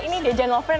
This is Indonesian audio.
ini dia janggal friend